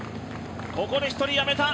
ここで１人やめた。